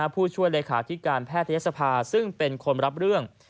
ผู้ช่วยเลขาธิการแพทยศภาซึ่งเป็นคนรับเรื่อง